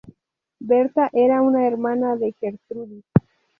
Berta era una hermana de Gertrudis.